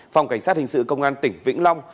phòng cảnh sát hình sự công an tỉnh vĩnh long